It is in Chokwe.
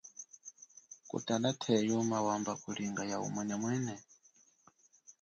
Kutala the, yuma wamba kulinga ya umwenemwene?